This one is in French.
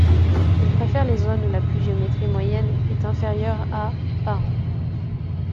Il préfère les zones où la pluviométrie moyenne est inférieure à par an.